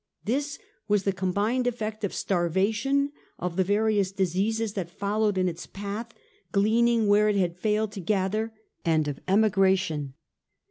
This was the combined effect of starvation, of the various diseases that followed in its path gleaning where it had failed to gather, and of emig ration.